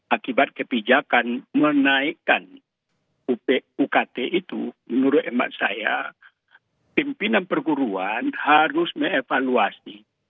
akibat kebijakan menaikkan ukt itu menurut emak saya pimpinan perguruan harus mengevaluasi